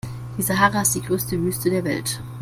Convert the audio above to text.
Die Sahara ist die größte Wüste der Welt.